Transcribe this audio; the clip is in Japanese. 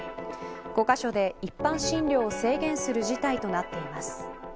５カ所で一般診療を制限する事態となっています。